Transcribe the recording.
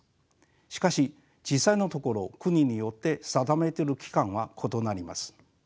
しかし実際のところ国によって定めている期間は異なります。